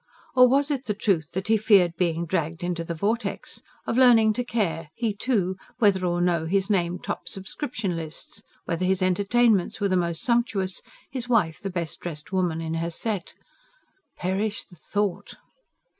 Or was it the truth that he feared being dragged into the vortex? ... of learning to care, he, too, whether or no his name topped subscription lists; whether his entertainments were the most sumptuous, his wife the best dressed woman in her set? Perish the thought!